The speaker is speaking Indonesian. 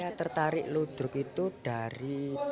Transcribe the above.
saya tertarik ludruk itu dari